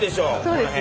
この辺。